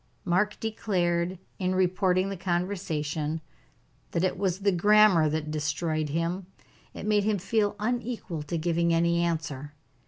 Mark declared, in reporting the conversation, that it was the grammar that destroyed him. It made him feel unequal to giving any answer.